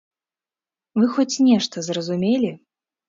Вы хоць нешта зразумелі?